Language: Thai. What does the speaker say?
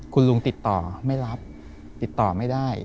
คุณลุงติดต่อไม่รับติดต่อไม่ได้